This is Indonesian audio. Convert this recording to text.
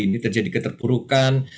ini terjadi keterpurukan